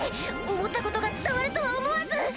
思ったことが伝わるとは思わず！